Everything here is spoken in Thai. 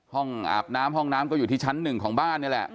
อาบน้ำห้องน้ำก็อยู่ที่ชั้นหนึ่งของบ้านนี่แหละ